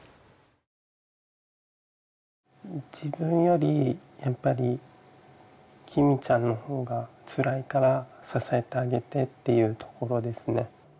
自分よりやっぱりきみちゃんの方がつらいから支えてあげてっていうところですね